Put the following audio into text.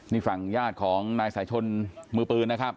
นี่ฝั่งญาติของนายสายชนมือปืนนะครับ